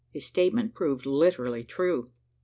His statement proved literally true.